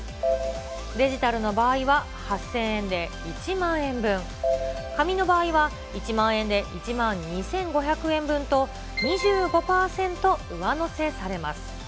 デジタルの場合は８０００円で１万円分、紙の場合は１万円で１万２５００円分と２５％上乗せされます。